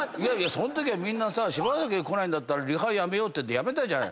そんときはみんな柴咲が来ないんだったらリハやめようってやめたじゃない。